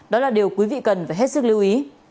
đó là điều quý vị cần phải hết sức lưu ý